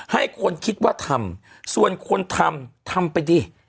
ให้คนคิดว่าทำส่วนคนทำทำไปดิ